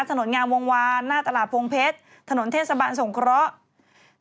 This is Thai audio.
ถนนงามวงวานหน้าตลาดพงเพชรถนนเทศบาลสงเคราะห์